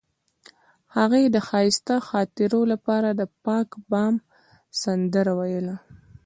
هغې د ښایسته خاطرو لپاره د پاک بام سندره ویله.